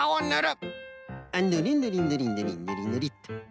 あっぬりぬりぬりぬりぬりぬりっと。